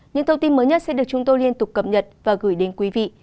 những thông tin mới nhất sẽ được chúng tôi liên tục cập nhật và gửi đến quý vị